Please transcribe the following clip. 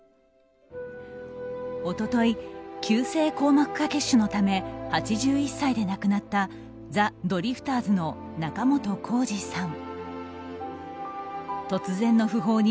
一昨日、急性硬膜下血腫のため８１歳で亡くなったザ・ドリフターズの仲本工事さん。